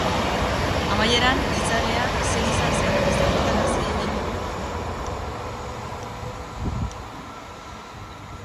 Amaieran hiltzailea zein izan zen ezagutarazi egingo digu.